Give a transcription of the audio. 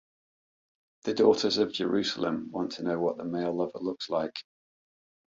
The "daughters of Jerusalem" want to know what the male lover looks like.